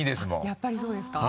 やっぱりそうですか？